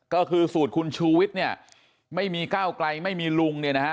ก็คือสูตรคุณชูวิทย์เนี่ยไม่มีก้าวไกลไม่มีลุงเนี่ยนะฮะ